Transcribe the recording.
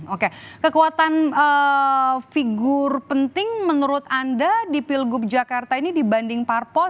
oke kekuatan figur penting menurut anda di pilgub jakarta ini dibanding parpol